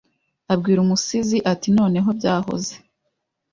Abwira Umusizi ati Noneho byahoze